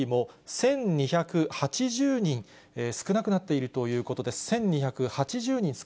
１２８０人少なくなっているということです。